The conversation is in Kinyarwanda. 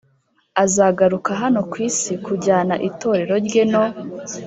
azagaruka hano ku isi kujyana Itorero rye no